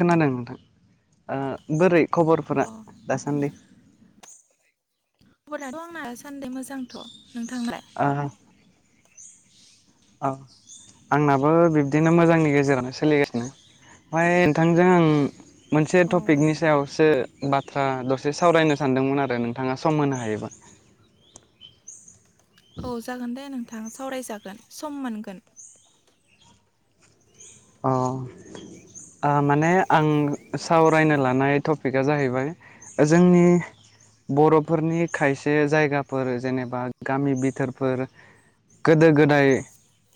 खोनादों नोंथां ओ बोरै अ खबरफोरा दासान्दै खबराथ' आंना दासान्दों मोजांथ' नोंथांनालाय आ आंनाबो बिब्दिनो मोजांनि गेजेरनो सोलिगासिनो ओमफ्राय नोंथांजों आं मोनसे अ टपिकनि सायावसो बाथ्रा दसे सावरायनो सानदोंमोन आरो नोंथाङा सम होनो हायोबा [inaudible] औ जागोन दे नोंथां सावरायजागोन सम मोनगोन अ ओ माने आं सावरायनो लानाय टपिकआ जाहैबाय जोंनि बर'फोरनि खायसे जायगाफोर जेनेबा गामि बिथोरफोर गोदो गोदाय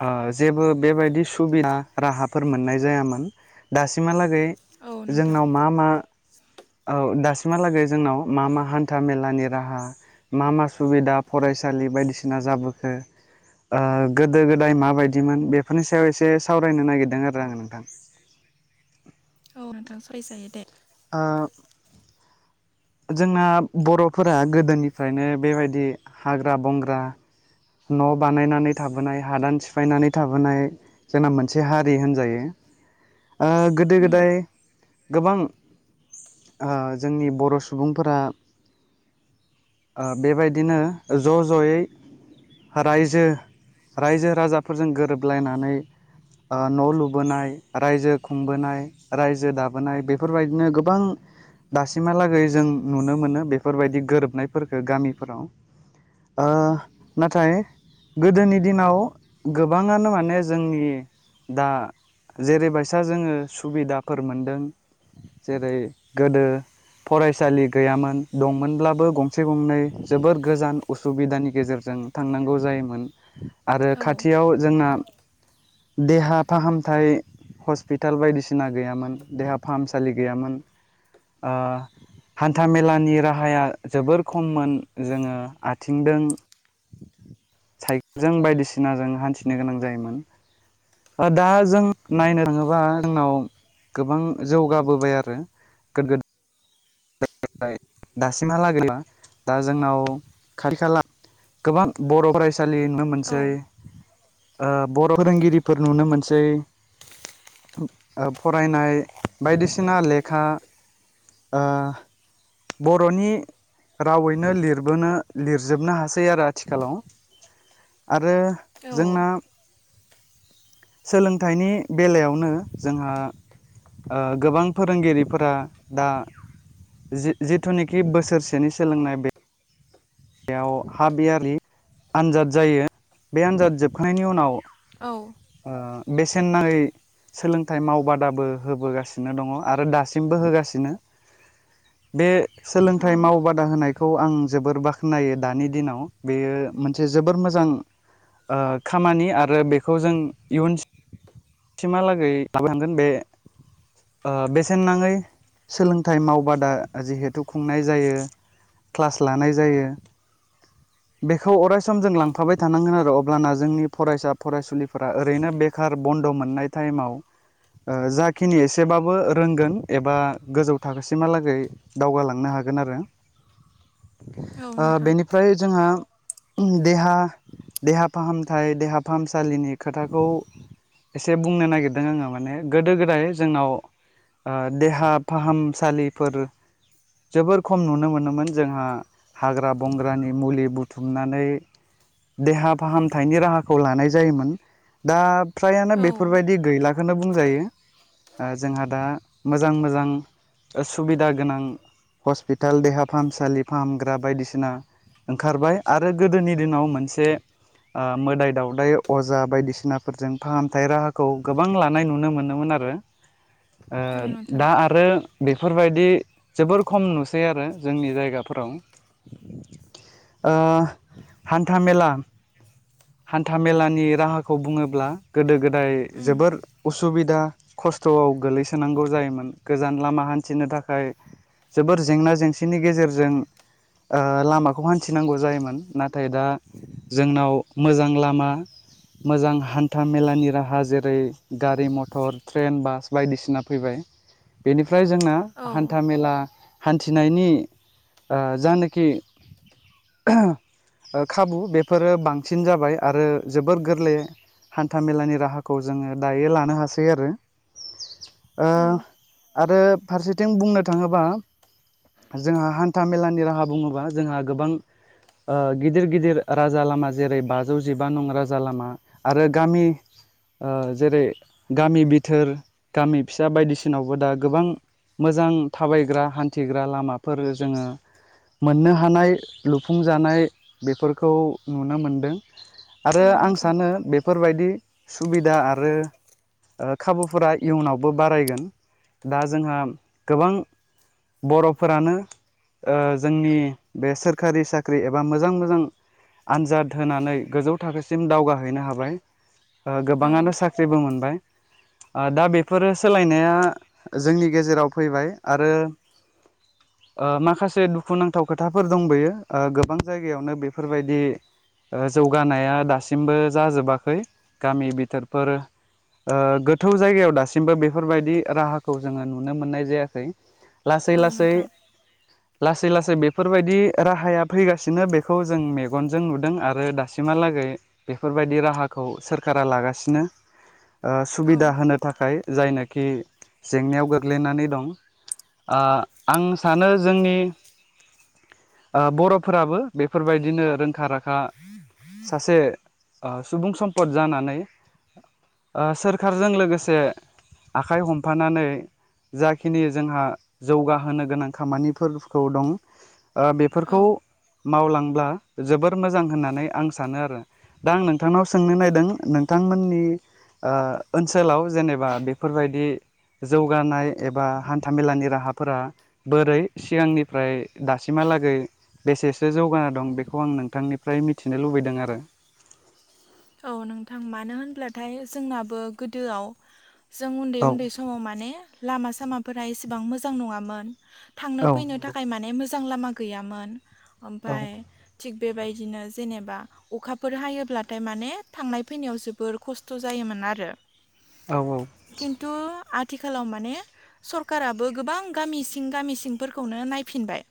ओ जेबो बेबायदि सुबिदा राहाफोर मोननाय जायामोन दासिमहालागै औ नोंथां जोंनाव मा मा औ दासिमहालागै जोंनाव मा मा हान्था मेलानि राहा मा मा सुबिदा फरायसालि बायदिसिना जाबोखो गोदाय मा बायदिमोन बेफोरनि सायाव एसे साव रायनो नागिरदों आरो आं नोंथां औ नोंथां सावराय जायो दे ओ जोंना बर'फोरा गोदोनिफ्रायनो बेबायदि हाग्रा बंग्रा न' बानायनानै थाबोनाय हादान सिफायनानै थाबोनाय जोंना मोनसे हारि होनजायो ओ गोदो उम गोदाय गोबां ओ जोंनि बर' सुबुंफोरा ओ बेबायदिनो ज' ज'यै रायजो रायजो राजाफोरजों गोरोबलायनानै ओ न' लुबोनाय, रायजो खुंबोनाय, रायजो दाबोनाय, बेफोरबायदिनो गोबां दासिमहालागै जों नुनो मोनो बेफोरबायदि गोरोबनायफोरखो गामिफोराव। ओ नाथाय गोदोनि दिनाव गोबाङानो माने जोंनि दा जेरैबायसा जोङो सुबिदाफोर मोनदों जेरै गोदो फरायसालि गैयामोन, दंमोनब्लाबो गंसे गंनै जोबोद गोजान उसुबिदानि गेजेरजों थांनांगौ जायोमोन आरो औ खाथियाव जोंना देहा फाहामथाय हस्पिटाल बायदिसिना गैयामोन, देहा फाहामसालि गैयामोन। ओ हान्थाायमेलानि राहाया जोबोर खममोन जोङो आथिंदों साइ [inaudible] जों बायदिसिनाजों हान्थिनो गोनां जायोमोन। ओ दा जों नायनो थाङोबा जोंनाव गोबां जौगाबोबाय आरो गोदो दासिमहालागै दा जोंनाव खाथि खाला गोबां बर' फरायसालि नुनो औ मोनसै। ओ बर' फोरोंगिरिफोर नुनो मोनसै। फरायनाय बायदिसिना लेखा ओ बर'नि रावैनो लिरबोनो लिरजोबनो हासै आरो आथिखालाव। आ रो औ जोंना सोलोंथाइनि बेलायावनो जोंहा गोबां फोरोंगिरिफोरा दा जि-जिथुनिखि बोसोरसेनि सोलोंनाय, बे याव हाबयारलि आनजाद जायो। बे आनजाद जोबखांनायनि उनाव औ आ बेसेन नाङै सोलोंथाइ मावबादाबो होबोगासिनो दङ आरो दासिमबो होगासिनो। बे औ सोलोंथाइ मावबादा होनाय खौ आं जोबोर बाख्नायो दानि दिनाव। बेयो मोनसे जोबोर मोजां औ खामानि आरो बेखौ जों इयुन सिमहालागै लाबोलांगोन बे ओ बेसेन नाङै सोलोंथाइ मावबादा जिहेथु खुंनाय जायो। क्लास लानाय जायो। बेखौ अरायसम जों लांफाबाय थानांगोन आरो अब्लाना जोंनि फरायसा फरायसुलि फोरा ओरैनो बेखार बन्द' मोननाय टाइमाव ओ जाखिनि एसेबाबो रोंगोन एबा गोजौ थाखोसिमहालागै दावगालांनो हा हागोन आरो। औ ओ नोंथां बेनिफ्राय जोंहा देहा देहा फाहामथाय देहा फाहामसालिनि खोथाखौ एसे बुंनो नागिरदों आङो माने गोदो गोदाय जोंनाव ओ देहा फाहामसालिफोर जोबोर खम नुनो मोनोमोन जोंहा हाग्रा बंग्रानि मुलि बुथुमनानै देहा फाहामथायनि राहाखौ लानाय जायोमोन। दा फ्रायानो औ बेफोरबादि गैला खोनो बुंजायो। ओ जोंहा दा मोजां मोजां सुबिदा गोनां हस्पिताल देहा फाहामसालि फाहामग्रा बायदिसिना ओंखारबाय आरो गोदोनि दिनाव मोनसे ओ मोदाय दावदाय अज जा बायदिसिनाफोरजों फाहामथाय राहाखौ गोबां लानाय नुनो मोनोमोन आरो। ओ औ नोंथां दा आरो बेफोरबायदि जोबोर खम नुसै आरो जोंनि जायगाफोराव। ओ हान्था मेला हान्था मेलानि राहाखौ बुङोब्ला गोदो गोदाय उम जोबोर उसुबिदा खस्थआव गोलैसोनांगौ जायोमोन गोजान लामा हान्थिनो थाखाय जोबोर जेंना जेंसिनि गेजेरजों ओ लामाखौ हान्थिनांगौ जायोमोन नाथाय दा जोंनाव मोजां लामा मोजां हान्था मेलानि राहा जेरै गारि मथर ट्रेन बास बायदिसिना फैबाय। बेनिफ्राय जोंना औ हान्था मेला हान्थिनायनि ओ जानाखि ओहो खाबु बेफोरो बांसिन जाबाय आरो जो जोबोर गोरलै हान्था मेलानि राहाखौ जोङो दायो लानो हासै आरो। ओ औ आरो फारसेथिं बुंनो थाङोबा जोंहा हान्था मेलानि राहा बुङोबा जोंहा गोबां ओ गिदिर गिदिर राजा लामा जेरै बाजौ जिबा नं राजा जा लामा आरो गामि ओ जेरै गामि बिथोर गामि फिसा बायदिसिनावबो दा गोबां मोजां थाबायग्रा हान्थिग्रा लामाफोर जोङो मोननो हानाय लुफुंजानाय बेफोरखौ नुनो मोनदों। आरो औ आं नोंथां सानो बेफोरबायदि सुबिदा आरो ओ खाबुफोरा इयुनावबो बारायगोन दा जोंहा गोबां बर'फोरानो ओ जोंनि बे सोरखारि साख्रि एबा मोजां मोजां आनजाद होनानै गोजौ थाखोसिम दावगाहैनो हाबाय औ गोबाङानो साख्रिबो मोनबाय। आ दा बेफोरो सोलायनाया जोंनि गेजेराव फैबाय आरो [inaudible] ओ माखासे दुखुनांथाव खोथाफोर दंबोयो गोबां जायगायावनो बेफोरबायदि ओ जौगानाया दासिमबो जाजोबाखै गामि बिथोरफोर ओ गोथौ जायगायाव दासिमबो बेफोरबायदि राहाखौ जोङो नुनो मोननाय जायाखै। लासै औ लासै नोंथां लासै लासै बेफोरबायदि राहाया फैगासिनो बेखौ जों मेगनजों नुदों आरो दासिम सिमहालागै बेफोरबायदि राहाखौ सोरखारा लागासिनो। ओ औ सुबिदा होनो थाखाय जायनोखि जेंनायाव गोग्लैनानै दं। आ आं सानो जोंनि ओ बरफोराबो बेफोरबायदिनो रोंखा राखा सासे ओ सुबुं सम्पद जानानै ओ सोरखारजों लोगोसे आखाइ हमफानानै जाखिनि जोंहा जौगाहोनो गोनां खामानिफोरखौ दं। बो बेफोरखौ औ मावलांब्ला जोबोर मोजां होननानै आं सानो आरो दा आं नोंथांनाव सोंनो नायदों नोंथांमोननि ओ ओनसोलाव जेनेबा बेफोरबायदि जौगानाय एबा हान्थामेलानि राहाफोरा बोरै सिगांनिफ्राय दासिमा लागै बेसेसो जौगाना दं बेखौ आं नोंथांनिफ्राय मि [unintelligible] मिथिनो लुबैदों आरो। औ नोंथां मानो होनब्लाथाय जोंनाबो गोदोआव जों उन्दै औ उन्दै समाव माने लामा सामाफोरा एसेबां मोजां नङामोन। थांनो औ फैनो नंगौ थाखाय माने मोजां लामा गैयामोन औ ओमफाय थिग बेबायदिनो जेनेबा अखाफोर हायोब्ला थाय माने थांनाय फैनायाव जोबोर खस्थ' जायोमोन आरो। औ औ खिन्थु आथिखालाव माने सरखाराबो गोबां गामि सिं गामि सिंफोरखौनो नायफिनबाय।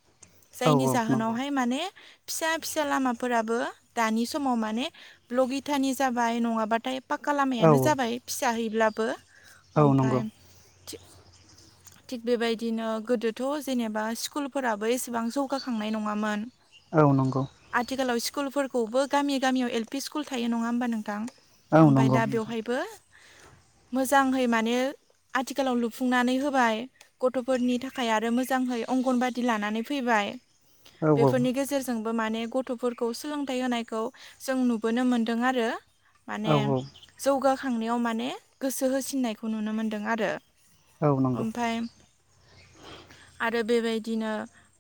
औ जायनि नंगौ जाहोनावहाय माने फिसा फिसा लामाफोराबो दानि समाव माने ब्लगिथानि जाबाय नङाबाथाय पाक्का औ लामायानो जाबाय फिसा हैब्लाबो औ ओमफाय नंगौ थि थिग बेबायदिनो गोदोथ' जेनेबा स्कुलफोराबो एसेबां जौगाखांनाय नङामोन। औ नंगौ आथिखालाव स्कुलफोरखौबो गामि गामियाव एल पि स्कुल थायो नङा होमबा नोंथां ओमफाय दा बेवहायबो लांदां मोजांहै मानो आथिखालाव लुफुंनानै होबाय गथ'फोरनि थाखाय आरो मोजांहै अंगनबादि लानानै फैबाय औ बेफोरनि गेजेरजोंबो माने गथ'फोरखौ सोलोंथाइ होनायखौ जों नु बोनो मोन्दों आरो औ माने जौगा खांनायाव माने गोसो होसिननायखौ नुनो मोन्दों आरो औ नंगौ ओमफाय आरो बेबायदिनो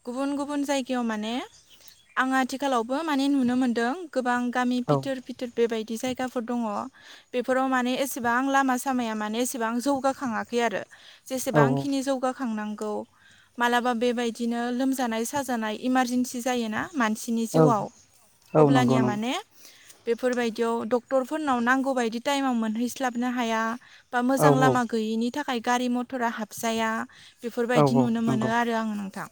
गुबुन गुबुन जायगायाव माने आं आथिखालावबो माने नुनो मोनदों गोबां गामि औ फिथोर फिथोर बेबाय बिदि जायगाफोर दङ बेफोराव माने एसेबां लामा सामाया माने एसेबां जौगाखाङाखै आरो औ जेसेबांंखिनि जौगाखांनां गौ मालाबा बेबायदिनो लोमजानाय साजानाय इमारजेन्सि जायोना मानसिनि औ जिउआव औ नंगौ अब्लानिया नंगौ माने बेफोरबायदियाव डक्टरफोरनाव नांगौ बायदि टाइमाव मोनहैस्लाबनो हाया बा औ मोजां लामा गैयिनि थाखाय गारि मथरा हाबजाया औ बेफोरबायदि नुनो मोनो नंगौ आरो आङो नोंथां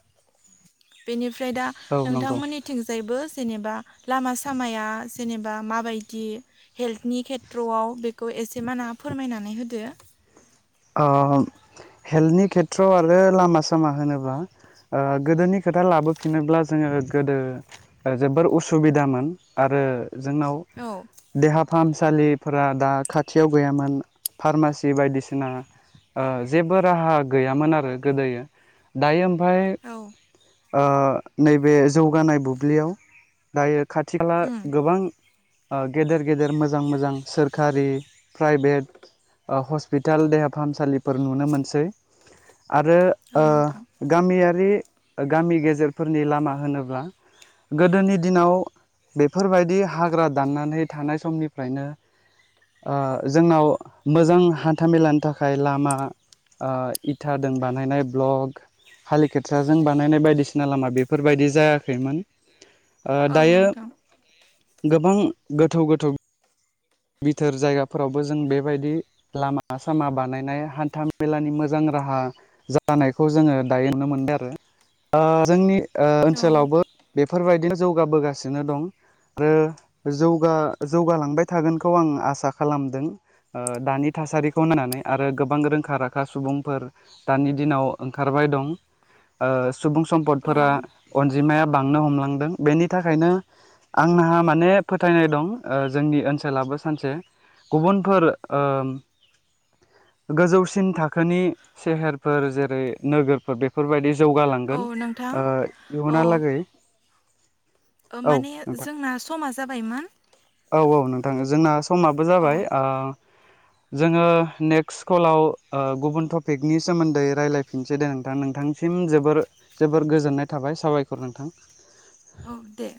बेनि फ्राय दा औ नंगौ नोंथांमोननिथिंजायबो जेनेबा लामा सामाया जेनेबा माबायदि हेल्थनि खेथ्र'आव बेखौ एसे माना फोरमायनानै होदो आ हेल्थनि खेथ्र'आव आरो लामा सामा होनोबा ओ गोदोनि खोथा लाबोफिनोब्ला जोङो गोदो जोबोर उसुबिदामोन आरो जोंनाव औ देहा फाहामसालिफोरा दा खाथियाव गैयामोन फारमासि बायदिसि ना ओ जेबो राहा गैयामोन आरो गोदोयो दायो ओमफाय औ ओ नैबे जौगानाय बुब्लियाव दायो खाथि खाला उम गोबां गेदेर गेदेर मोजां मोजां सोरखारि प्राइभेट हसप पिटाल देहा फाहामसालिफोर नुनो मोनसै आरो औ ओ नोंथां गामिया थिं गामि गेजेरफोरनि लामा होनोबा गोदोनि दिनाव बेफोरबायदि हाग्रा दाननानै थानाय समनिफ्रायनो ओ जोंनाव मोजां हान्थामेलानि थाखाय लामा ओ इथादों बानायनाय ब्लग हालि खेथ्राजों बानायनाय बायदिसिना लामा बेफोरबायदि जायाखैमोन ओ औ दायो नोंथां गोबां गोथौ गोथौ बिथोर जायगाफोरावबो जों बेबायदि लामा सामा बानायनाय हान्था मेलानि मोजां राहा जानायखौ जोङो दायो नुनो मोनदों आरो ओ जोंनि ओ औ ओनसोलावबो बेफोरबायदिनो जौगाबोगासिनो दं आरो जौगालांबाय थागोनखौ आं आसा खालामदों ओ दानि थासारिखौ नायनानै आरो गोबां रोंखा राखा सुबुंफोर दानि दिनाव ओंखारबाय दं ओ सुबुं औ सम्पदफोरा अनजिमाया बांनो हमलांदों बेनि थाखायनो आंहा माने फोथायनाय दं जोंनि ओनसोल ओनसोलाबो सानसे गुबुनफोर गोजौसिन थाखोनि सेहेरफोर जेरै नोगोरफोर बेफोरबायदि औ जौगालांगोन नोंथां ओ औ इयुनहालागै माने जोंना समा जाबायमोन। ओं जोंना समाबो जाबाय औ ओ जोङो नेक्स्ट कलाव गुबुन टपिकनि सोमोन्दै रायज्लायफिनसै दे नोंथां नोंथांनि सिम जोबोर जोबोर गोजोननाय थाबाय साबायखर नोंथां। औ दे